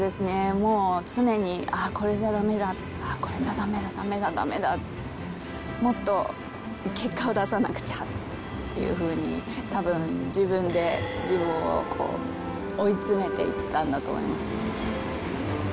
もう常に、あーこれじゃだめだ、これじゃだめだ、だめだ、だめだ、もっと結果を出さなくちゃっていうふうに、たぶん自分で自分をこう、追い詰めていったんだと思います。